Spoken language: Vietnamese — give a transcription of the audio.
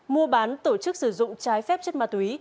mua bán tổ chức sử dụng trái phép chất ma túy